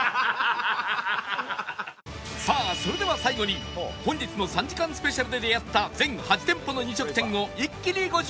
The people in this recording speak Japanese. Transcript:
さあそれでは最後に本日の３時間スペシャルで出会った全８店舗の飲食店を一気にご紹介！